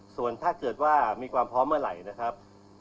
ส่วนถ้าเกิดว่ามีความพร้อมเมื่อไหร่นะครับ